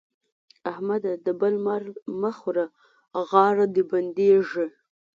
احمده! د بل مال مه خوره غاړه دې بندېږي.